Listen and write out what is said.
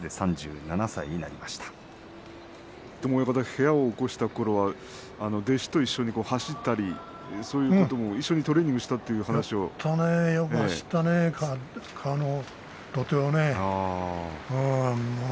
部屋を興したころは弟子と一緒に走ったりそういうことも一緒にトレーニングしたりしたよく走ったね土手を。